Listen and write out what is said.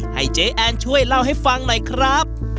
ให้เจ๊แอนช่วยเล่าให้ฟังหน่อยครับ